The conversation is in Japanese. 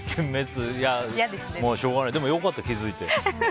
もうしょうがないでもよかった、気づいて。